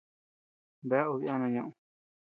Bea obe yana ñeʼed.